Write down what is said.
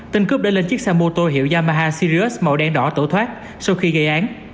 tên cướp đã lên chiếc xe mô tô hiệu yamaha sirius màu đen đỏ tẩu thoát sau khi gây án